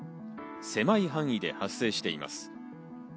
狭い範囲で発生しています。